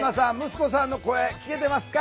息子さんの声聴けてますか？